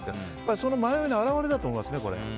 その迷いの表れだと思います。